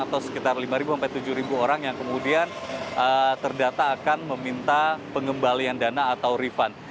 atau sekitar lima sampai tujuh orang yang kemudian terdata akan meminta pengembalian dana atau refund